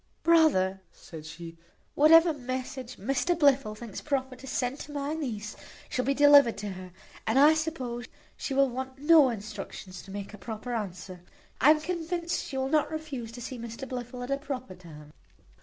"Brother," said she, "whatever message Mr Blifil thinks proper to send to my niece shall be delivered to her; and I suppose she will want no instructions to make a proper answer. I am convinced she will not refuse to see Mr Blifil at a proper time."